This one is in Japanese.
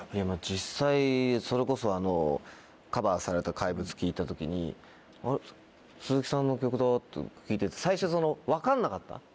実際それこそカバーされた『怪物』聴いた時に鈴木さんの曲だって聴いてて最初分かんなかった。